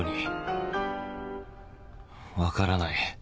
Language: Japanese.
分からない。